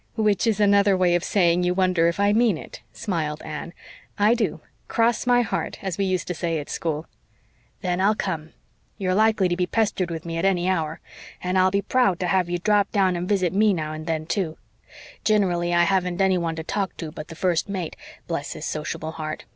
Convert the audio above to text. "Which is another way of saying you wonder if I mean it," smiled Anne. "I do, 'cross my heart,' as we used to say at school." "Then I'll come. You're likely to be pestered with me at any hour. And I'll be proud to have you drop down and visit me now and then, too. Gin'rally I haven't anyone to talk to but the First Mate, bless his sociable heart.